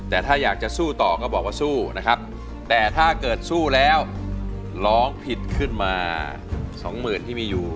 แต่ถ้าอยากจะสู้ต่อก็บอกว่าสู้นะครับแต่ถ้าเกิดสู้แล้วร้องผิดขึ้นมาสองหมื่นที่มีอยู่